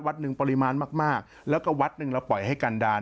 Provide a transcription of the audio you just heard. หนึ่งปริมาณมากมากแล้วก็วัดหนึ่งเราปล่อยให้กันดาล